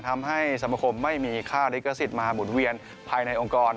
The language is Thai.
ทำให้สมคมไม่มีค่าลิขสิทธิ์มาหมุนเวียนภายในองค์กร